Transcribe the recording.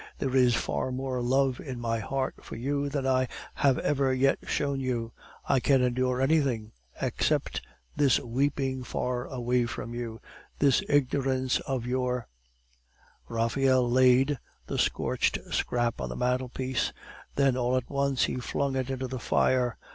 There is far more love in my heart for you than I have ever yet shown you. I can endure anything, except this weeping far away from you, this ignorance of your " Raphael laid the scorched scrap on the mantelpiece, then all at once he flung it into the fire.